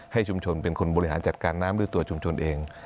ให้ชุมชนเป็นคนบริหารจัดการน้ำหรือตัวชุมชนเอง